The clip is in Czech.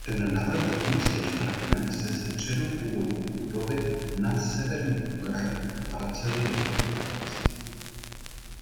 Ten navrhl umístit fragment ze středu původní budovy na severní okraj parcely nového paláce.